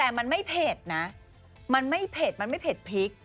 แต่มันไม่เผ็ดนะมันไม่เผ็ดมันไม่เผ็ดพริก